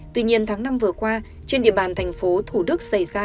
tuy nhiên tháng năm vừa qua trên địa bàn tp thcm xảy ra